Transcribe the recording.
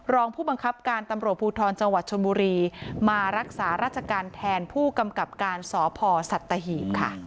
รองผู้บังคับการตำรวจภูทรจังหวัดชนบุรีมารักษาราชการแทนผู้กำกับการสพสัตหีบค่ะ